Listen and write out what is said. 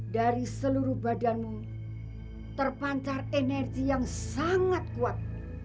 dari seluruh badanmu terpancar energi yang sangat kuat